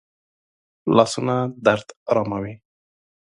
لاسونه درد آراموي